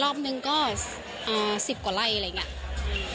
รอบนึงก็๑๐กว่าไร่อะไรอย่างนี้